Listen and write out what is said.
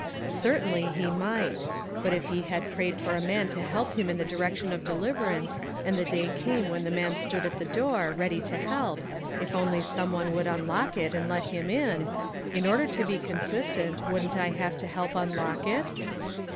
" Certainly, he might. But if he had prayed for a man to help him in the direc tion of deliverance and the day came when the man stood at the door, ready to help, if only some one would unlock it and let him in — in order to be consistent wouldn't I have to help unlock it?"